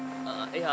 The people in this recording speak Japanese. いや